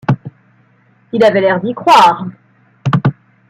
Il avait l’air d’y croire.